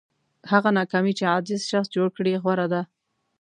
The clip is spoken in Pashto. هغه ناکامي چې عاجز شخص جوړ کړي غوره ده.